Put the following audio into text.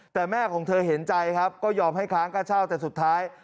แต่แม่ของเธอเห็นใจครับก็ยอมให้ค้างค่าเช่าแต่สุดท้าย